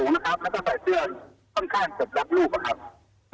ตรงสูงนะครับถ้าใส่เจือค่อนข้างสำหรับรูปนะครับ